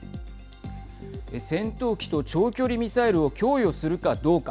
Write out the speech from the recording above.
戦闘機と長距離ミサイルを供与するかどうか。